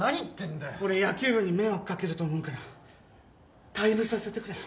俺野球部に迷惑かけると思うから退部させてくれ。